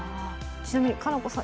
ちなみに佳菜子さん